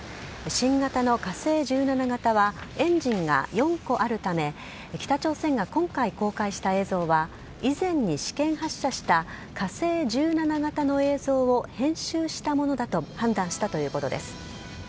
新型の火星１７型はエンジンが４個あるため、北朝鮮が今回公開した映像は、以前に試験発射した火星１７型の映像を編集したものだと判断したということです。